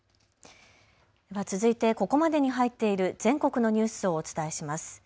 続いてここまでに入っている全国のニュースをお伝えします。